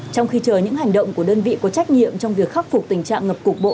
trong khi chờ những hành động của đơn vị có trách nhiệm trong việc khắc phục tình trạng ngập cục bộ